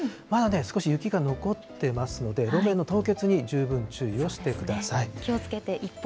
まだ少し雪が残ってますので、路面の凍結に十分注意をしてください。